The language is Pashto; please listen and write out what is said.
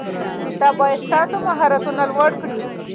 کتاب باید ستاسو مهارتونه لوړ کړي.